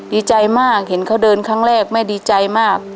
ดีใจมากเห็นเขาเดินครั้งแรกแม่ดีใจมาก